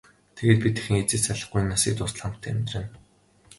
Тэгээд бид дахин хэзээ ч салахгүй, энэ насыг дуустал хамтдаа амьдарна.